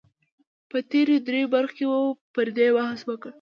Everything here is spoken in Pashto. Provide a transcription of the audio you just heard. په تېرو دريو برخو کې مو پر دې بحث وکړ